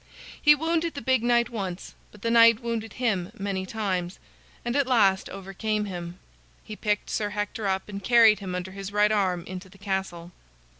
He wounded the big knight once, but the knight wounded him many times, and at last overcame him. He picked Sir Hector up and carried him under his right arm into the castle.